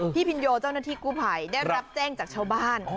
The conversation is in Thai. พินโยเจ้าหน้าที่กู้ภัยได้รับแจ้งจากชาวบ้าน